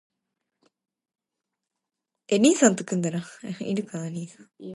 The interior tomb of Ahmed Shah is decorated with frescoes.